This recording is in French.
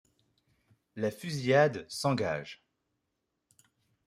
La fusillade s'engage.